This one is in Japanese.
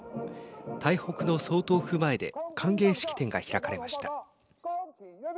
台北の総統府前で歓迎式典が開かれました。